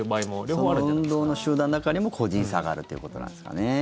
その運動の集団の中にも個人差があるということなんですかね。